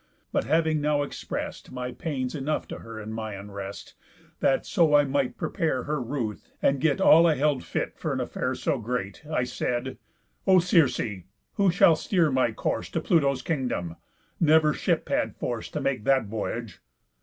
But having now exprest My pains enough to her in my unrest, That so I might prepare her ruth, and get All I held fit for an affair so great, I said: 'O Circe, who shall steer my course To Pluto's kingdom? Never ship had force To make that voyage.